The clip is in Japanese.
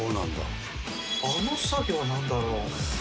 あの作業なんだろう？